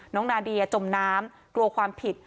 นาเดียจมน้ำกลัวความผิด